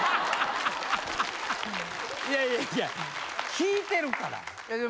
いやいや聞いてるから裏で。